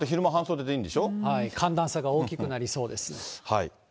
はい、寒暖差が大きくなりそうですね。